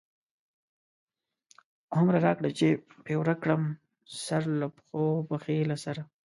هومره راکړه چی پی ورک کړم، سر له پښو، پښی له سره